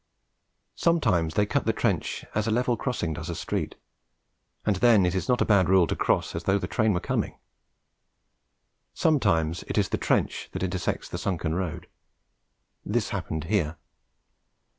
Sometimes they cut the trench as a level crossing does a street, and then it is not a bad rule to cross as though a train were coming. Sometimes it is the trench that intersects the sunken road; this happened here.